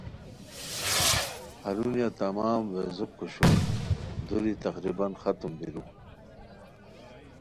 ہرونیہ تمام ویزو کھوشون دُوری تقریباً ختم بیرو